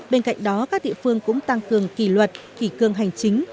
bên cạnh đó các địa phương cũng tăng cường kỷ luật kỳ cương hành chính